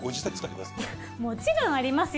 もちろんありますよ。